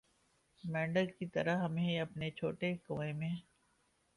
مینڈک کی طرح ہمیں اپنے چھوٹے کنوئیں میں